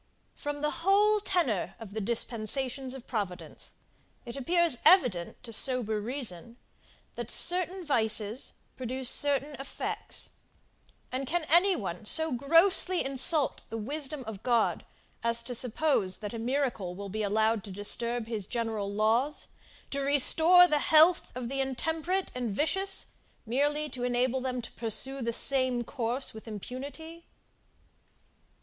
>From the whole tenor of the dispensations of Providence, it appears evident to sober reason, that certain vices produce certain effects: and can any one so grossly insult the wisdom of God, as to suppose, that a miracle will be allowed to disturb his general laws, to restore to health the intemperate and vicious, merely to enable them to pursue the same course with impunity?